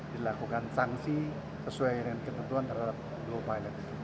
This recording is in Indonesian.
dilakukan sanksi sesuai dengan ketentuan terhadap global pilot itu